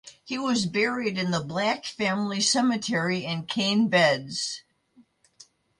He was buried in the Black Family Cemetery in Cane Beds.